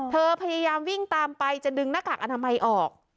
พยายามวิ่งตามไปจะดึงหน้ากากอนามัยออก